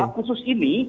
hak khusus ini